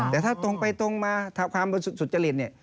แต่ถ้าตรงไปตรงมาถ้าความปริสุทธิ์สุดจริงนี่